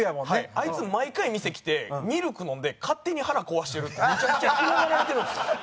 あいつ毎回店来てミルク飲んで勝手に腹壊してるってめちゃくちゃ嫌われてるんですよ。